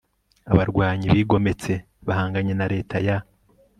Abarwanyi bigometse bahanganye na Leta ya